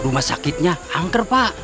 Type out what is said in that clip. rumah sakitnya angker pak